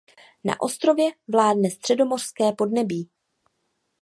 Na ostrově vládne středomořské podnebí.